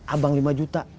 abang lima juta